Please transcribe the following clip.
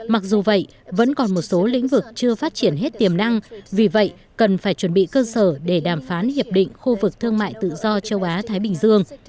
mặc dù vậy vẫn còn một số lĩnh vực chưa phát triển hết tiềm năng vì vậy cần phải chuẩn bị cơ sở để đàm phán hiệp định khu vực thương mại tự do châu á thái bình dương